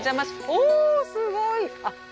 おおすごい！